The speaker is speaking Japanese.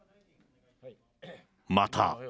また。